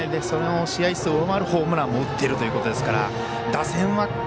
その試合数を上回るホームランを打っているということですから打線は、